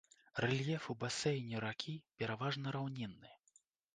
Рэльеф у басейне ракі пераважна раўнінны.